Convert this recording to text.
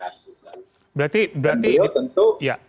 dan beliau tentu